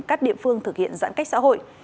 các địa phương thực hiện giãn cách xã hội